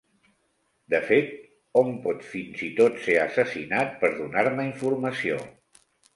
De fet, hom pot fins i tot ser assassinat per donar-me informació.